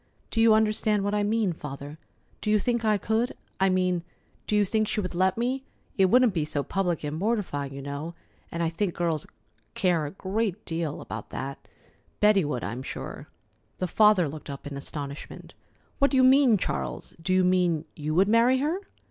Do you understand what I mean, Father? Do you think I could? I mean, do you think she would let me? It wouldn't be so public and mortifying, you know, and I think girls care a great deal about that. Betty would, I'm sure." The father looked up in astonishment. "What do you mean, Charles? Do you mean you would marry her?"